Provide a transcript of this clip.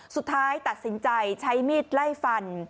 สุดท้ายตัดสินใจใช้มีดไล่ฟัน